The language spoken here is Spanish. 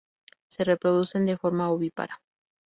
Se reproducen de forma ovípara.